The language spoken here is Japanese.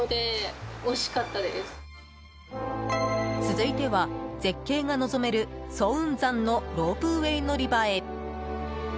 続いては、絶景が望める早雲山のロープウェー乗り場へ。